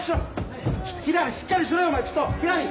ちょっとひらりしっかりしろよお前ちょっとひらり！